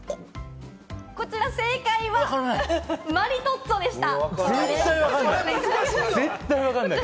こちら正解はマリトッツォでした！